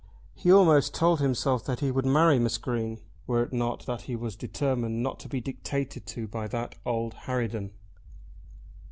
He almost told himself that he would marry Miss Green, were it not that he was determined not to be dictated to by that old harridan.